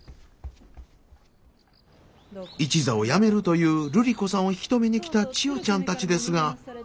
一座を辞めるというルリ子さんを引き止めに来た千代ちゃんたちですが。